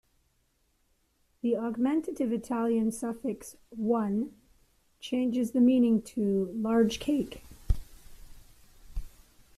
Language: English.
The augmentative Italian suffix "-one" changes the meaning to "large cake".